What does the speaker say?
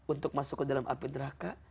untuk masuk ke dalam api neraka